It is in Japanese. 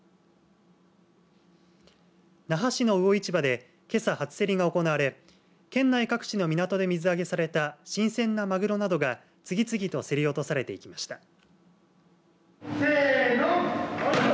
那覇市の魚市場でけさ、初競りが行われ県内各地の港で水揚げされた新鮮なマグロなどが次々と競り落とされていきました。